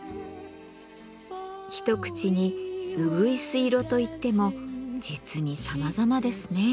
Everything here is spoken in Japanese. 一口にうぐいす色といっても実にさまざまですね。